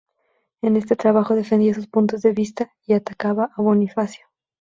En este trabajo defendía sus puntos de vista, y atacaba a Bonifacio.